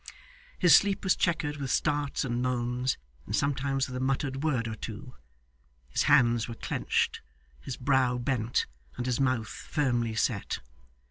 His sleep was checkered with starts and moans, and sometimes with a muttered word or two. His hands were clenched, his brow bent, and his mouth firmly set.